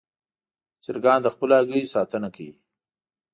چرګان د خپلو هګیو ساتنه کوي.